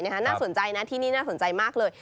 น่าสนใจนะที่นี่น่าสนใจมากเลย